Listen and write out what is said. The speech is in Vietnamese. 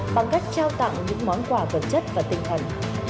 bằng cách trao tặng những món quà vật chất và tinh thần